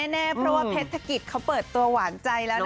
แน่เพราะว่าเพชรธกิจเขาเปิดตัวหวานใจแล้วนะ